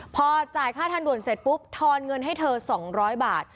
พอจ่ายค่าทางด่วนเสร็จปุ๊บทอนเงินให้เธอ๒๐๐บาท